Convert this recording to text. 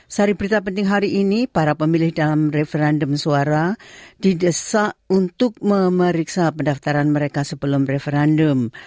sari berita penting hari ini para pemilih dalam referendum suara didesak untuk memeriksa pendaftaran mereka sebelum referendum